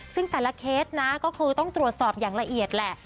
ซึ่งแต่ละเคสนะก็คือต้องตรวจสอบอย่างละเอียดแหละ